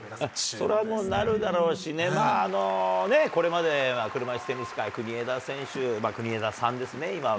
それはもうなるだろうし、これまで車いすテニス界、国枝選手、国枝さんですね、今は。